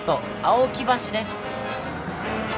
青木橋です。